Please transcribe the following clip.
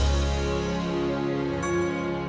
aduh berharap ya